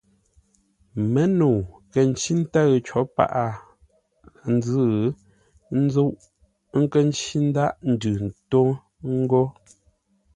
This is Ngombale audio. Mə́nəu kə̂ ncí ntə́ʉ có paghʼə-nzʉ̂ ńzúʼ, ə́ nkə́ ncí ńdághʼ ndʉ ntó ngô.